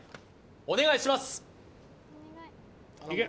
お願いします